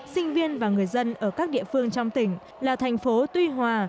sinh viên và người dân ở các địa phương trong tỉnh là thành phố tuy hòa